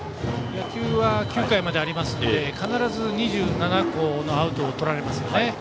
野球は９回までありますので必ず２７個のアウトをとられますよね。